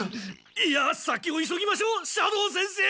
いや先を急ぎましょう斜堂先生！